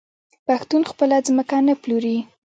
پښتون خپله ځمکه نه پلوري.